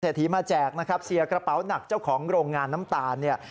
ทีมาแจกนะครับเสียกระเป๋าหนักเจ้าของโรงงานน้ำตาลเนี่ย